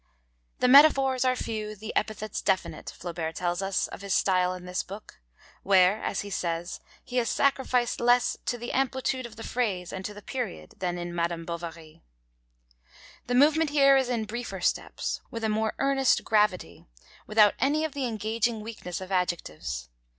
'The metaphors are few, the epithets definite,' Flaubert tells us, of his style in this book, where, as he says, he has sacrificed less 'to the amplitude of the phrase and to the period,' than in Madame Bovary. The movement here is in briefer steps, with a more earnest gravity, without any of the engaging weakness of adjectives.